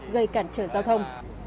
gây cản trở giao thông